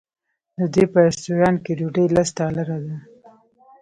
د دوی په رسټورانټ کې ډوډۍ لس ډالره ده.